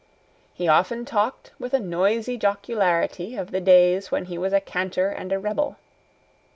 He often talked with a noisy jocularity of the days when he was a canter and a rebel.